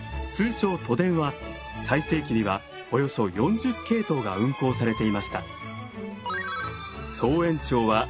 通称都電は最盛期にはおよそ４０系統が運行されていました。